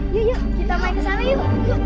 yuk yuk kita main kesana yuk